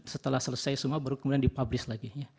setelah selesai semua baru kemudian dipublis lagi